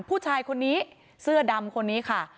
ผู้ชายคนนี้เสื้อดำคนนี้ค่ะ